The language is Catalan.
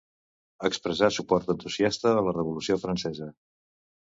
Expressà suport entusiasta a la Revolució Francesa.